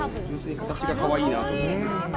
形がかわいいなと思って。